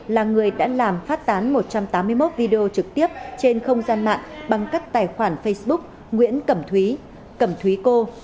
là người đã làm phát tán một trăm tám mươi một video trực tiếp trên không gian mạng bằng các tài khoản facebook nguyễn cẩm thúy cẩm thúy cô